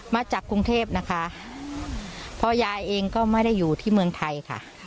มาจากกรุงเทพนะคะเพราะยายเองก็ไม่ได้อยู่ที่เมืองไทยค่ะ